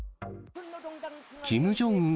キム・ジョンウン